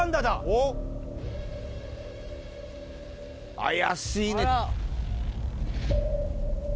怪しいね。